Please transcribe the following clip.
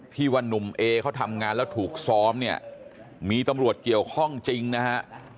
ที่ว่านุ่มเอเขาทำงานแล้วถูกซ้อมเนี่ยมีตำรวจเกี่ยวข้องจริงนะฮะ